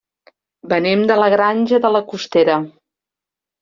Venim de la Granja de la Costera.